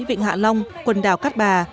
vịnh hạ long quần đảo cát bà